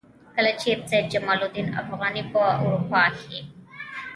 کله چې سید جمال الدین افغاني په اروپا کې.